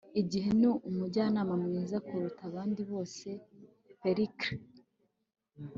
igihe ni umujyanama mwiza kuruta abandi bose. - pericles